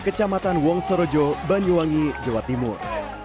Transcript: kecamatan wongsorojo banyuwangi jawa timur